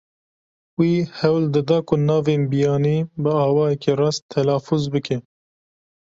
Wî hewl dida ku navên biyanî bi awayekî rast telafûz bike.